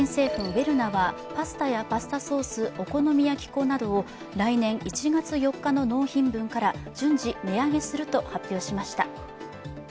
ウェルナは、パスタやパスタソースお好み焼き粉などを来年１月４日の納品分から順次値上げすると発表しました。